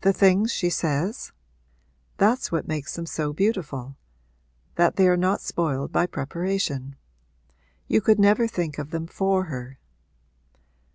'The things she says?' 'That's what makes them so beautiful that they are not spoiled by preparation. You could never think of them for her.'